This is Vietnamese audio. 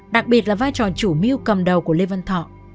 đặc biệt là vai trò chủ mưu cầm đầu của lê văn thọ